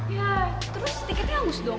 ya terus tiketnya angus dong